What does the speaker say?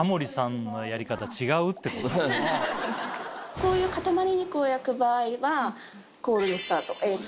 こういう塊肉を焼く場合はコールドスタート。